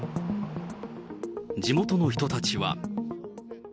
地元の人たちは。